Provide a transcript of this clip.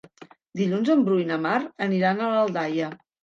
Dilluns en Bru i na Mar aniran a Aldaia.